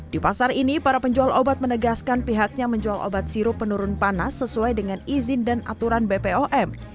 di pasar ini para penjual obat menegaskan pihaknya menjual obat sirup penurun panas sesuai dengan izin dan aturan bpom